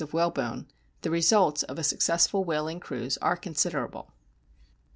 of whalebone, the results of a successful whaling cruise are considerable.